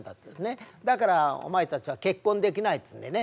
だからお前たちは結婚できないっつうんでね。